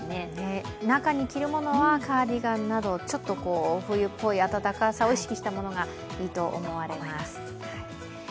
中に着るものはカーディガンなど、ちょっと冬っぽい暖かさを意識したものがいいと思われます。